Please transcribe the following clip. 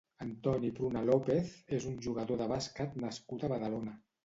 Antoni Pruna López és un jugador de bàsquet nascut a Badalona.